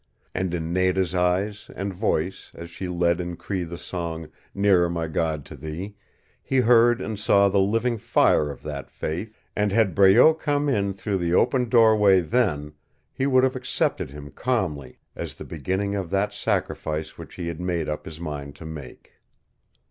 And in Nada's eyes and voice as she led in Cree the song, "Nearer, My God, to Thee," he heard and saw the living fire of that faith, and had Breault come in through the open doorway then he would have accepted him calmly as the beginning of that sacrifice which he had made up his mind to make.